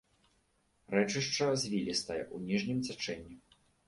Рэчышча звілістае ў ніжнім цячэнні.